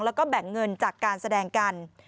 แล้วก็แบ่งเงินจากการแสดงกัน